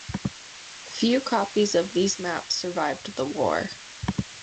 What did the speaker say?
Few copies of these maps survived the war.